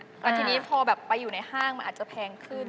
แต่ทีนี้พอแบบไปอยู่ในห้างมันอาจจะแพงขึ้น